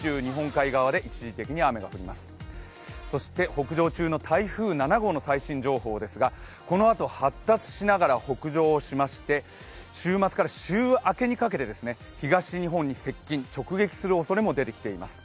北上中の台風７号の最新情報ですがこのあと発達しながら北上をしまして週末から週明けにかけて東日本に接近、直撃するおそれも出てきています。